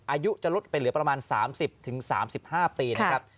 อายุจะลดไปเหลือประมาณ๓๐๓๕ปีนะครับ